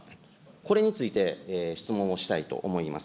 これについて、質問をしたいと思います。